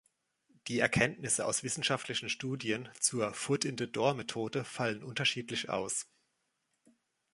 Die Erkenntnisse aus wissenschaftlichen Studien zur Foot-in-the-Door-Methode fallen unterschiedlich aus.